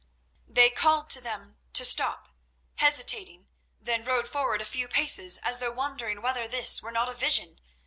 They called to them to stop, hesitating, then rode forward a few paces, as though wondering whether this were not a vision.